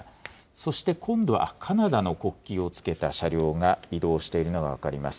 そして今度はカナダの国旗をつけた車両が移動しているのが分かります。